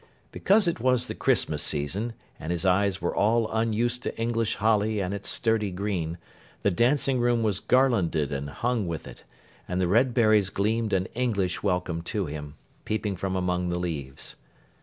Because it was the Christmas season, and his eyes were all unused to English holly and its sturdy green, the dancing room was garlanded and hung with it; and the red berries gleamed an English welcome to him, peeping from among the leaves.